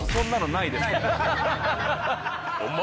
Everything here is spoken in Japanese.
ホンマ？